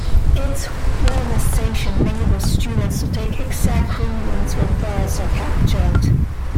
Its weather station enables students to take exact readings when birds are captured.